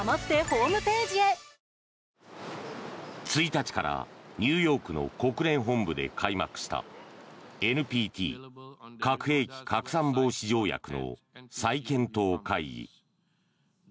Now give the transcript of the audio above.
１日からニューヨークの国連本部で開幕したＮＰＴ・核兵器拡散防止条約の再検討会議。